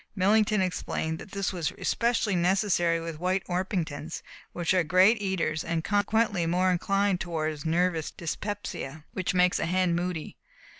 Millington explained that this was especially necessary with White Orpingtons, which are great eaters and consequently more inclined toward nervous dyspepsia, which makes a hen moody.